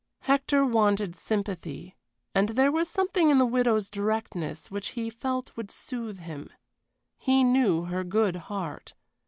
Hector wanted sympathy, and there was something in the widow's directness which he felt would soothe him. He knew her good heart.